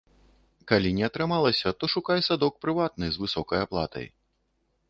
Калі не атрымалася, то шукай садок прыватны з высокай аплатай.